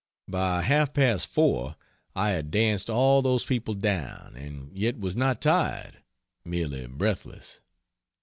By half past 4 I had danced all those people down and yet was not tired; merely breathless.